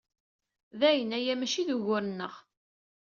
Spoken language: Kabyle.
Dayen, aya maci d ugur-nneɣ.